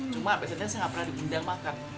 cuma biasanya saya nggak pernah diundang makan